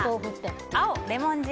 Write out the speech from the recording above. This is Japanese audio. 青、レモン汁